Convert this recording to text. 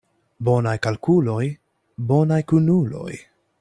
Bonaj kalkuloj, bonaj kunuloj.